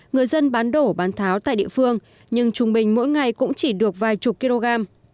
người dân bán đổ bán tháo tại địa phương nhưng trung bình mỗi ngày cũng chỉ được vài chục kg